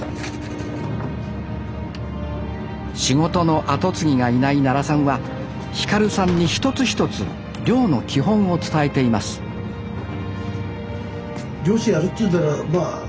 仕事の後継ぎがいない奈良さんは輝さんに一つ一つ漁の基本を伝えています漁師やるっつうんならまあ